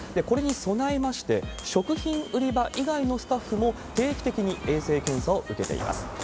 これに備えまして、食品売り場以外のスタッフも定期的に衛生検査を受けています。